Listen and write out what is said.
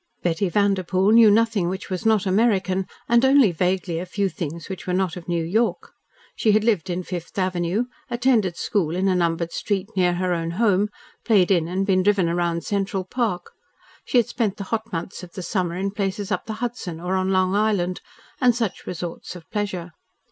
Betty Vanderpoel knew nothing which was not American, and only vaguely a few things which were not of New York. She had lived in Fifth Avenue, attended school in a numbered street near her own home, played in and been driven round Central Park. She had spent the hot months of the summer in places up the Hudson, or on Long Island, and such resorts of pleasure.